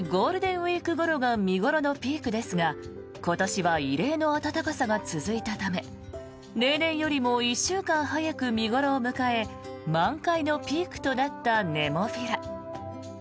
毎年ゴールデンウィークごろが見頃のピークですが今年は異例の暖かさが続いたため例年よりも１週間早く見頃を迎え満開のピークとなったネモフィラ。